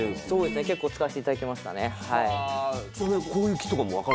そうですね結構使わせていただきましたね。